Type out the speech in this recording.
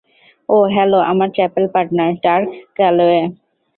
ও হলো আমার chapel partner, Dark Callaway.